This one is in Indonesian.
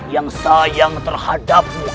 yang sayang terhadapmu